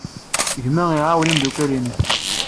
Gma iɛawen imeddukal-nnes.